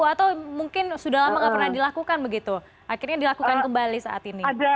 atau mungkin sudah lama nggak pernah dilakukan begitu akhirnya dilakukan kembali saat ini